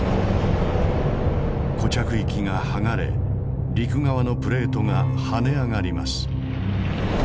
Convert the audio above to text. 固着域が剥がれ陸側のプレートが跳ね上がります。